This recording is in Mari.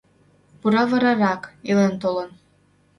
Пура варарак, илен-толын.